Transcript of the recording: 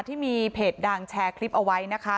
ที่มีเพจดังแชร์คลิปเอาไว้นะคะ